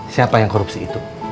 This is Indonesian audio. siapa yang korupsi itu